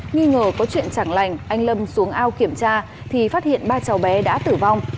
nghi ngờ có chuyện chẳng lành anh lâm xuống ao kiểm tra thì phát hiện ba cháu bé đã tử vong